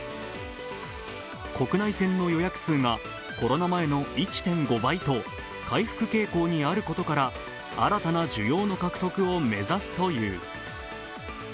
国内線の予約数がコロナ前の１．５倍と回復傾向にあることから、新たな需要の獲得を目指すという。